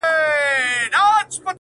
د بلا مخ ته هغه وو پرې ایستلی -